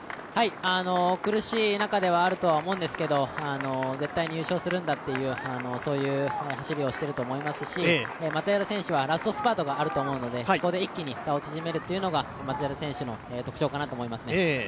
苦しい中ではあるとは思うんですけど、絶対に優勝するんだという走りをしていると思いますし松枝選手はラストスパートがあると思うのでそこで一気に差を縮めるというのが松枝選手の特徴かと思いますね。